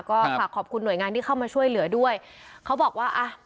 ก็ฝากขอบคุณหน่วยงานที่เข้ามาช่วยเหลือด้วยเขาบอกว่าอ่ะ